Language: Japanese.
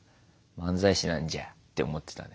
漫才師なんじゃって思ってたね。